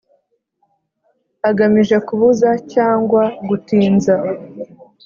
Agamije kubuza cyangwa gutinza